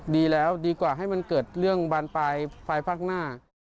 ดีแล้วดีกว่าให้มันเกิดเรื่องบานปลายไฟฟักหน้า